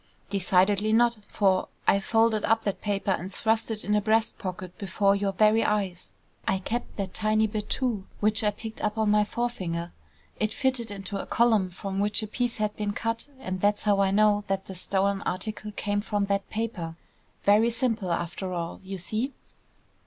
"Decidedly not, for I folded up that paper and thrust it in a breast pocket before your very eyes. I kept that tiny bit, too, which I picked up on my forefinger. It fitted into a column from which a piece had been cut, and that's how I know that the stolen article came from that paper. Very simple, after all, you see!"